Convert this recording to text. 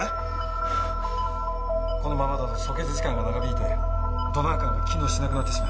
このままだと阻血時間が長引いてドナー肝が機能しなくなってしまいます。